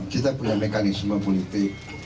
kita punya mekanisme politik